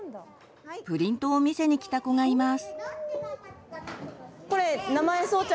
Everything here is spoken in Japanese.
プリントを見せにきた子がいます。